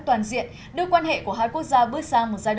trong chương trình của chúng tôi